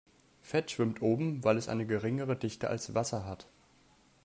Fett schwimmt oben, weil es eine geringere Dichte als Wasser hat.